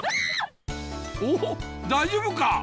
お大丈夫か？